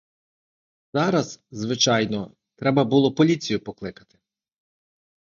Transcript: Зараз, звичайно, треба було поліцію покликати.